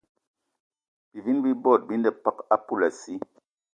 Bivini bi bot bi ne peg a poulassi